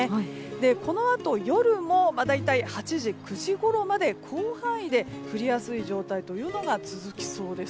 このあと夜も大体８時、９時ごろまで広範囲で降りやすい状態というのが続きそうです。